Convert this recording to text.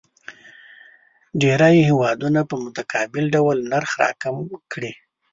ډېری هیوادونه په متقابل ډول نرخ راکم کړي.